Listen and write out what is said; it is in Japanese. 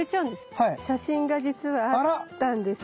写真がじつはあったんですよ。